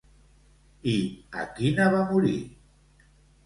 I a quina va morir?